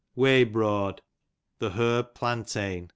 Waybroad, the herb plantain.